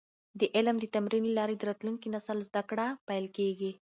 د علم د تمرین له لارې د راتلونکي نسل زده کړه پېل کیږي.